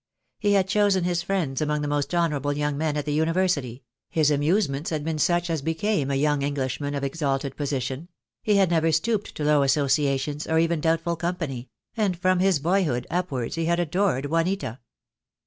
He had chosen his friends among the most honourable. young men at the University — his amuse ments had been such as became a young Englishman of exalted position — he had never stooped to low associa tions or even doubtful company; and from his boyhood upwards he had adored Juanita.